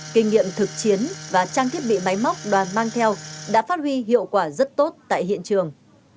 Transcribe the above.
kinh nghiệm thực chiến và trang thiết bị máy móc đoàn mang theo đã phát huy hiệu quả rất tốt tại hiện trường